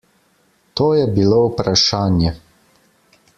To je bilo vprašanje.